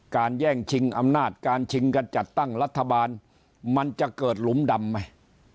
แย่งชิงอำนาจการชิงกันจัดตั้งรัฐบาลมันจะเกิดหลุมดำไหม